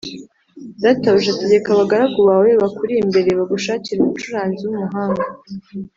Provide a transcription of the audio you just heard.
Databuja, tegeka abagaragu bawe bakuri imbere bagushakire umucuranzi w’umuhanga